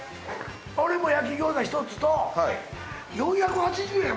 俺も焼餃子１つと４８０円？